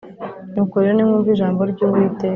Nuko rero nimwumve ijambo ry Uwiteka.